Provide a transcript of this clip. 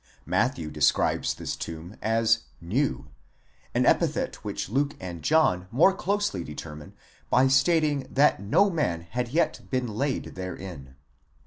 Matthew de scribes this tomb as καινὸν, mew ; an epithet which Luke and John more closely determine by stating that no man had yet been laid therein.